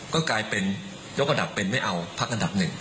ก็กลายเป็นยกระดับเป็นไม่เอาพักอันดับหนึ่ง